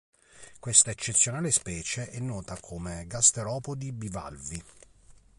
Questa eccezionale specie è nota come gasteropodi bivalvi.